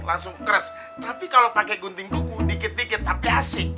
langsung keras tapi kalau pakai gunting buku dikit dikit tapi asik